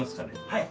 はい。